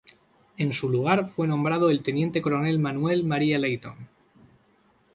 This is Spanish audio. En su lugar fue nombrado el Teniente Coronel Manuel María Leyton.